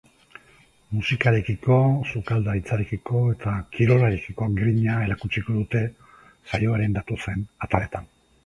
Musikarekiko, sukaldaritzarekiko eta kirolarekiko grina erakutsiko dute saioaren datozen ataletan.